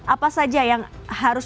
apa saja yang harus